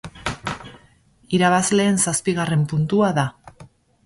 Irabazleen zazpigarren puntua da.